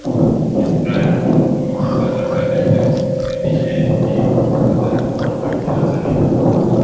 Ibrah Young Lunya Baraka Da Prince Lady Jay Dee Baba Levo kutoka nchini Tanzania